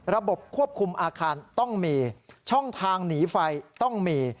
ระบบควบคุมอาคารต้องมีช่องทางหนีไฟต้องมี